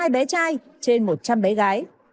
một trăm một mươi hai bé trai trên một trăm linh bé gái